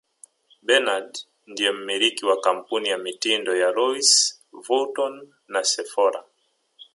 Bernard ndiye mmiliki wa kampuni ya mitindo ya Louis Vuitton na Sephora